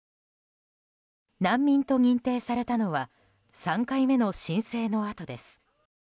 難民と認定されたのは３回目の申請のあとです。